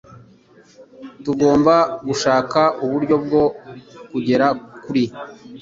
Tugomba gushaka uburyo bwo kugera kuri .